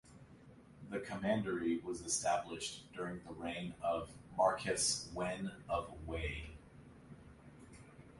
The commandery was established during the reign of Marquess Wen of Wei.